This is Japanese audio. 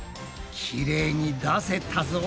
きれいに出せたぞ。